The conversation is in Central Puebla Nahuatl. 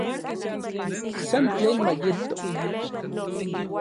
San tlen mayeto